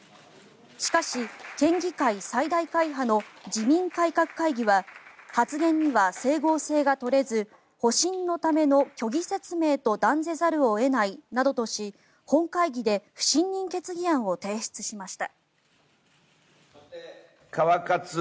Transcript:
しかし県議会最大会派の自民改革会議は発言には整合性が取れず保身のための虚偽説明と断じざるを得ないとし本会議で不信任決議案を提出しました。